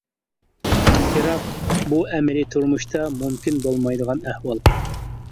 بىراق بۇ ئەمەلىي تۇرمۇشتا مۇمكىن بولمايدىغان ئەھۋال.